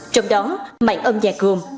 trong đó mạng âm nhạc gồm